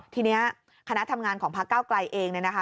ทีนี้คณะทำงานของพักเก้าไกลเองเนี่ยนะคะ